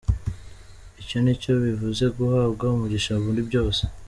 Icyo nicyo bivuze guhabwa umugisha muri byose.